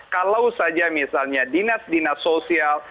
kalau saja misalnya dinas dinas sosial